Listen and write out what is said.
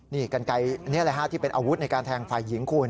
นี่กันไกลนี่แหละฮะที่เป็นอาวุธในการแทงฝ่ายหญิงคุณ